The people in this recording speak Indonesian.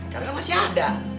karena masih ada